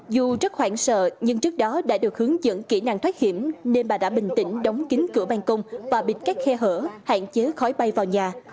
dù rất hoảng sợ nhưng trước đó đã được hướng dẫn kỹ năng thoát hiểm nên bà đã bình tĩnh đóng kính cửa bàn công và bịt các khe hở hạn chế khói bay vào nhà